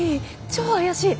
超怪しい！